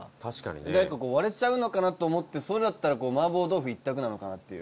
でやっぱ割れちゃうのかなと思ってそれだったら麻婆豆腐１択なのかなっていう。